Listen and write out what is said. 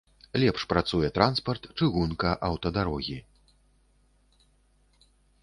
Лепш працуе транспарт, чыгунка, аўтадарогі.